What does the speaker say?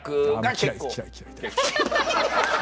嫌い嫌い。